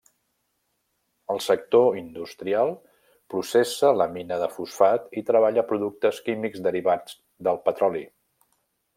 El sector industrial processa la mina de fosfat i treballa productes químics derivats del petroli.